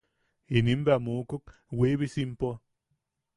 Inim bea muukuk Wiibisimpo.